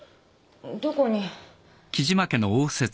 どこに？